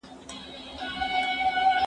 هغه څوک چي کتابونه وړي پوهه زياتوي.